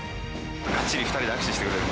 ガッチリ２人で握手してくれる？